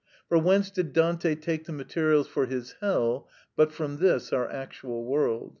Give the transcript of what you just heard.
For whence did Dante take the materials for his hell but from this our actual world?